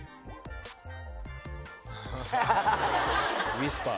ウイスパー。